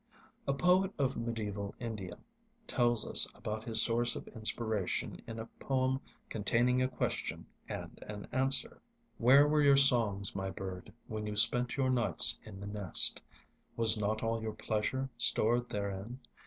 A poet of mediæval India tells us about his source of inspiration in a poem containing a question and an answer: Where were your songs, my bird, when you spent your nights in the nest? Was not all your pleasure stored therein?